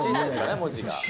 文字が。